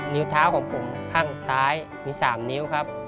นิ้วเท้าของผมข้างซ้ายมี๓นิ้วครับ